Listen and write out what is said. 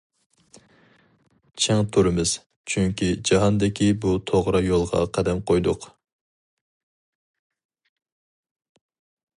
چىڭ تۇرىمىز، چۈنكى جاھاندىكى بۇ توغرا يولغا قەدەم قويدۇق.